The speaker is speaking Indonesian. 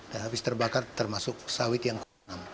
dan habis terbakar termasuk sawit yang ke enam